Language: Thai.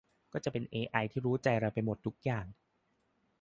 ก็จะเป็นเอไอที่รู้ใจเราไปหมดทุกอย่าง